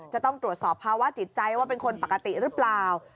จะต้องตรวจสอบภาวะจิตใจว่าเป็นคนปกติหรือเปล่า